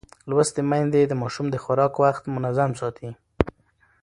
لوستې میندې د ماشوم د خوراک وخت منظم ساتي.